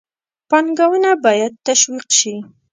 پانګونه باید تشویق شي.